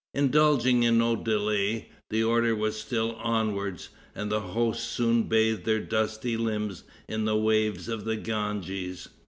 Indulging in no delay, the order was still onwards, and the hosts soon bathed their dusty limbs in the waves of the Ganges.